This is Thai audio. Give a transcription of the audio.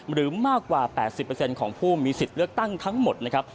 หรือมากกว่า๘๐ของผู้มีสิทธิ์เลือกตั้งทั้งหมดนะครับ